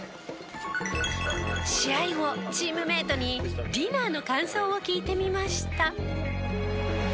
試合後チームメートにディナーの感想を聞いてみました。